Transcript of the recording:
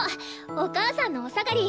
お母さんのお下がり。